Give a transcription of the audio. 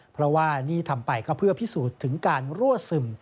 เพราะว่านี่ทำไปก็เพื่อพิสูจน์ถึงการรั่วซึม